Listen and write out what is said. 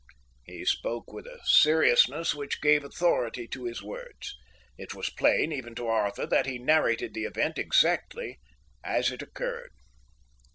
He spoke with a seriousness which gave authority to his words. It was plain, even to Arthur, that he narrated the event exactly as it occurred.